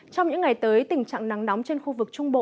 trong những ngày tới tình trạng nắng nóng trên khu vực trung bộ